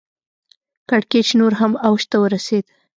کړکېچ نور هم اوج ته ورسېد.